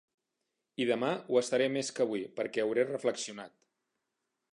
I demà ho estaré més que avui, perquè hauré reflexionat.